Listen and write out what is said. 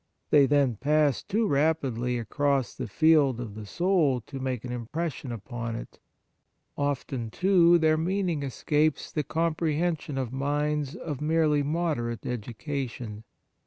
They then pass too rapidly across the field of the soul to make an impression upon it. Often, too, their meaning escapes the com prehension of minds of merely moder ate education.